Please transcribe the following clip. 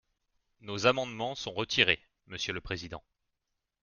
Nos amendements sont retirés, monsieur le président.